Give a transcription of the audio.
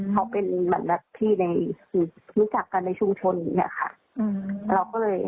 เขาเป็นบรรดพี่ในคือนุกจักกันในชุมชนเนี่ยค่ะ